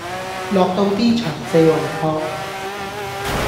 落到 D 場四圍撲